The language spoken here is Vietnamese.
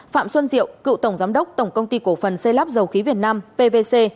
phạm xuân diệu cựu tổng giám đốc tổng công ty cổ phần xây lắp dầu khí việt nam pvc